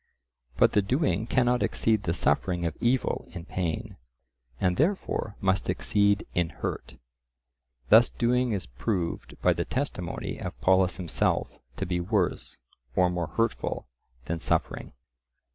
But the doing cannot exceed the suffering of evil in pain, and therefore must exceed in hurt. Thus doing is proved by the testimony of Polus himself to be worse or more hurtful than suffering.